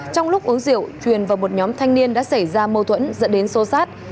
trong lúc uống rượu truyền và một nhóm thanh niên đã xảy ra mâu thuẫn dẫn đến sô sát